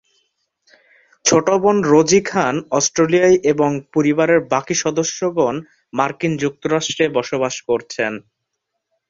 ছোট বোন রোজী খান অস্ট্রেলিয়ায় এবং পরিবারের বাকি সদস্যগণ মার্কিন যুক্তরাষ্ট্রে বসবাস করছেন।